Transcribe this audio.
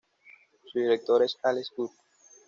Su director es Alex Wood.